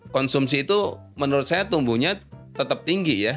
konsumsi itu menurut saya tumbuhnya tetap tinggi ya